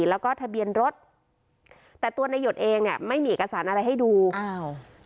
แล้วก็ทะเบียนรถแต่ตัวในหยดเองเนี่ยไม่มีเอกสารอะไรให้ดูอ้าว